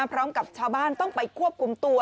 พร้อมกับท่านต้องไปควบกุมตัว